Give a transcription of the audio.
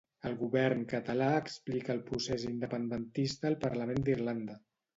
El govern català explica el procés independentista al parlament d'Irlanda.